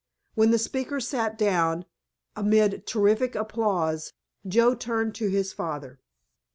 When the speaker sat down, amid terrific applause, Joe turned to his father.